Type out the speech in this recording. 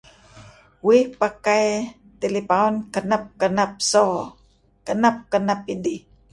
Uih pakai telepun kenap-kenep so, kenap-kenap idih.